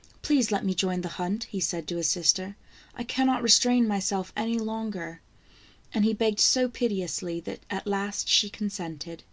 " Please let me join the hunt," he said to his sister ;" I can not restrain myself any longer," and he begged so piteously, that at last she consented.